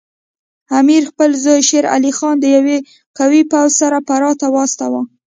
امیر خپل زوی شیر علي خان د یوه قوي پوځ سره فراه ته واستاوه.